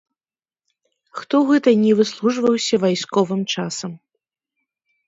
Хто гэта ні выслужваўся вайсковым часам.